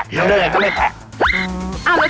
ยอมและได้แรงก็ไม่แตก